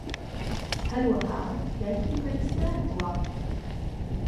ھەروەھا دایکی پەرستار بووە